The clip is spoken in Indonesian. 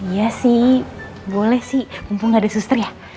iya sih boleh sih mumpung enggak ada suster ya